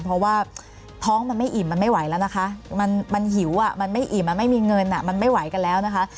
เพราะว่าท้องมันไม่อิ่มมันไม่ไหวแล้วนะคะมันหิวมันไม่อิ่มมันไม่มีเงินมันไม่ไหวกันแล้วนะคะ